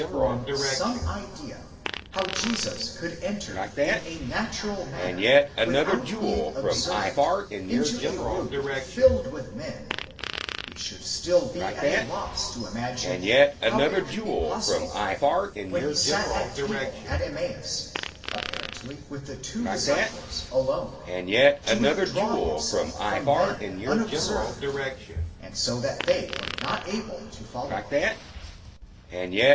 Besides, if we might perhaps form some idea how Jesus could enter in a natural manner without being observed into a room filled with men: we should still be at a loss to imagine how it could be possible for him, when he sat at table at Emmaus, apparently with the two disciples alone, to withdraw himself from them unobserved, and so that they were not able to follow him.